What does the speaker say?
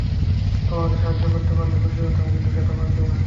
তোমাকে সাহায্য করতে পারলে খুশি হতাম, কিন্তু সেটা পারছি না।